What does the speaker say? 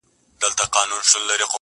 • د فتوحاتو یرغلونو او جنګونو کیسې,